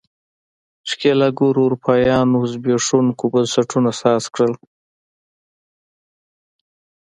ښکېلاکګرو اروپایانو زبېښونکو بنسټونو ساز کړل.